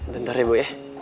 bentar ya bu